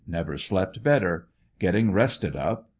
Never slept better. Getting rested up.